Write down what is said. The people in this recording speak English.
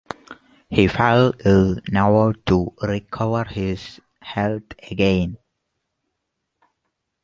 He fell ill never to recover his health again.